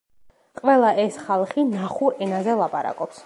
ყველა ეს ხალხი ნახურ ენაზე ლაპარაკობს.